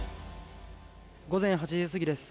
午前８時過ぎです。